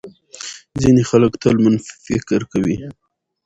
ځینې خلک تل منفي فکر کوي.